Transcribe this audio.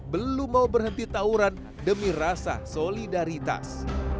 belum mau berhenti tawuran demi rasa solidaritas